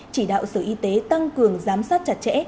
chỉ đạo sở y tế tăng cường giám sát chặt chẽ